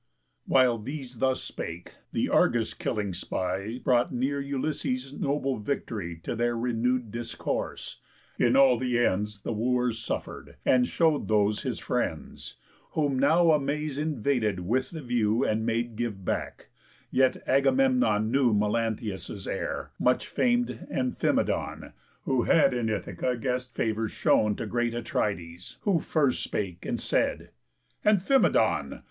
While these thus spake, the Argus killing spy Brought near Ulysses' noble victory To their renew'd discourse, in all the ends The Wooers' suffer'd, and show'd those his friends; Whom now amaze invaded with the view And made give back; yet Agamemnon knew Melanthius' heir, much fam'd Amphimedon, Who had in Ithaca guest favours shown To great Atrides; who first spake, and said: "Amphimedon!